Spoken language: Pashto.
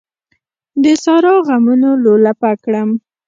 د سارا غمونو لولپه کړم.